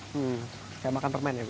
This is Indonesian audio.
hmm kayak makan permen ya bu